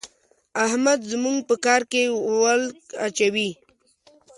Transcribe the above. احمد زموږ په کار کې ول اچوي.